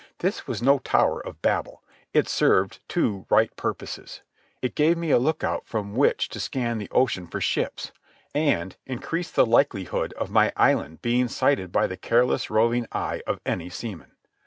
This was no tower of Babel. It served two right purposes. It gave me a lookout from which to scan the ocean for ships, and increased the likelihood of my island being sighted by the careless roving eye of any seaman.